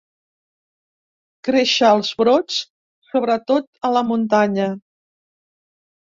Créixer els brots, sobretot a la muntanya.